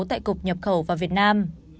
tại cục nhập khẩu vào việt nam